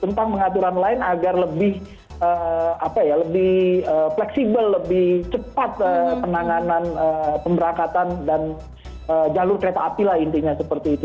tentang pengaturan lain agar lebih fleksibel lebih cepat penanganan pemberangkatan dan jalur kereta api lah intinya seperti itu